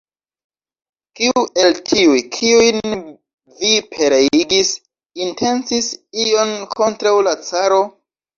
Kiu el tiuj, kiujn vi pereigis, intencis ion kontraŭ la caro?